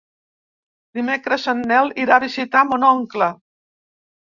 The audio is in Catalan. Dimecres en Nel irà a visitar mon oncle.